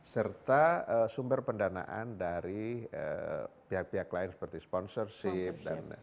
serta sumber pendanaan dari pihak pihak lain seperti sponsorship